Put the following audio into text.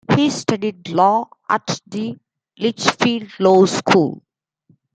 He studied law at the Litchfield Law School.